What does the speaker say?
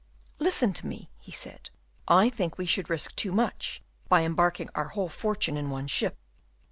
"Listen to me," he said. "I think we should risk too much by embarking our whole fortune in one ship.